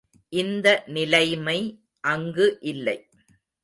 இந்த நிலைமை அங்கு இல்லை.